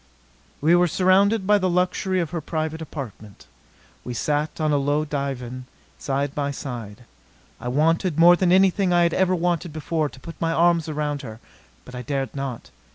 We were surrounded by the luxury of her private apartment. We sat on a low divan, side by side. I wanted, more than anything I had ever wanted before, to put my arms around her. But I dared not.